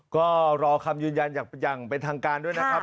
ก็รอคำยืนยันอย่างเป็นทางการด้วยนะครับ